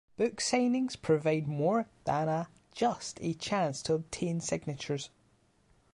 Book signings provide more than a just a chance to obtain signatures.